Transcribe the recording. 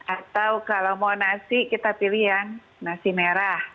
atau kalau mau nasi kita pilih yang nasi merah